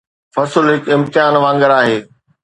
فصل هڪ امتحان وانگر آهي